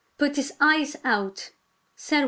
" Put his eyes out," said one.